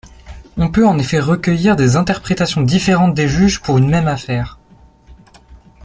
On peut en effet recueillir des interprétations différentes des juges pour une même affaire.